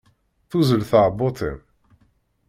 Tuzzel tɛebbuḍt-im?